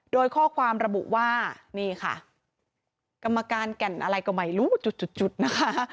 โดยข้อความระบุว่านี่ค่ะกรรมการแก่นอะไรก็ไม่รู้จุดจุดนะคะ